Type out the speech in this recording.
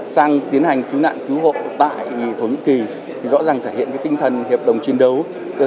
sang tiến hành cứu nạn cứu hộ tại thổ nhĩ kỳ rõ ràng thể hiện tinh thần hiệp đồng chiến đấu